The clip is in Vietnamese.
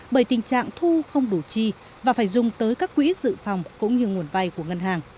bởi tình trạng thu không đủ chi và phải dùng tới các quỹ dự phòng cũng như nguồn vay của ngân hàng